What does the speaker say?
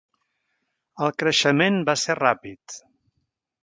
El creixement va ser ràpid.